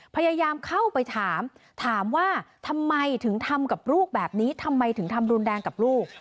พยายามเข้าไปถามถามว่าทำไมถึงทำกับลูกแบบนี้ทำไมถึงทำรุนแรงกับลูก